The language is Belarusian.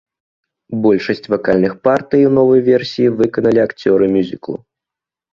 Большасць вакальных партый у новай версіі выканалі акцёры мюзіклу.